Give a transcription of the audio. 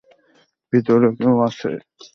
ভিতরে কেউ আছে।